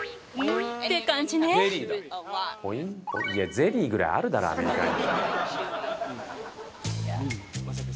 ゼリーぐらいあるだろアメリカに。